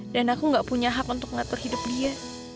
dan aku gak punya hak untuk ngatur hidup dia